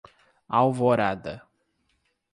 Alvorada